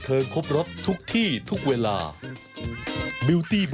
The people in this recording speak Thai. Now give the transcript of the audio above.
เดี๋ยวฟังอ่านข่าวที่มันเป็นเรื่องราวหน่อย